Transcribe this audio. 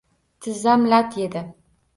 Tizzam lat yedi.